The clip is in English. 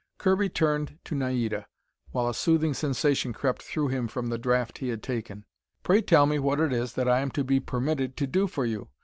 Kirby turned to Naida, while a soothing sensation crept through him from the draught he had taken. "Pray tell me what it is that I am to be permitted to do for you.